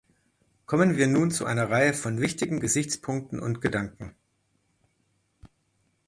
Kommen wir nun zu einer Reihe von wichtigen Gesichtspunkten und Gedanken.